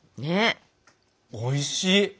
おいしい！